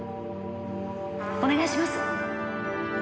お願いします！